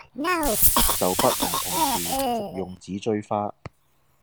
就不能同時服用紫錐花